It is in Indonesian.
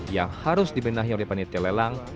yang harus dibenahi oleh panitia lelang